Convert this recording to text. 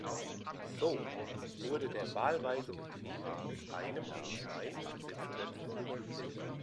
So wurde der wahlweise Betrieb mit einem oder zwei Sitzplätzen ermöglicht.